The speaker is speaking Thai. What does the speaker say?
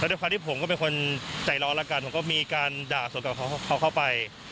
ด้วยความที่ผมก็เป็นคนใจร้อนแล้วกันผมก็มีการด่าส่วนกับเขาเข้าไป